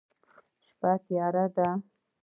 شپه تیاره ده